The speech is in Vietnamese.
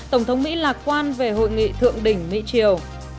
tổng thống mỹ lạc quan về hội nghị thượng đỉnh mỹ triều